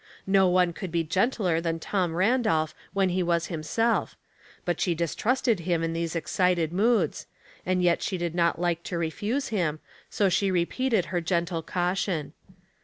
No one could be gentler than Tom Randolph when he was himself; but she distrusted him in these excited moods, and yet she did not like to refuse him, so she repeated her gentle caution.